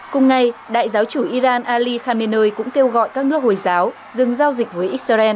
cùng ngày đại giáo chủ iran ali khamenei cũng kêu gọi các nước hồi giáo dừng giao dịch với israel